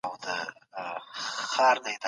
ورينداره